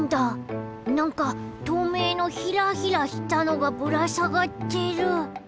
なんかとうめいのヒラヒラしたのがぶらさがってる？